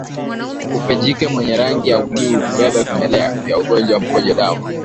Kupe jike mwenye rangi ya bluu hubeba vimelea vya ugonjwa wa mkojo damu